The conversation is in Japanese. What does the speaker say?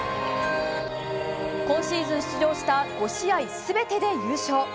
今シーズン出場した５試合全てで優勝。